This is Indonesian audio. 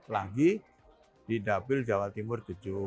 lagi di dapil jawa timur tujuh